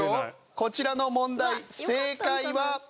こちらの問題正解は。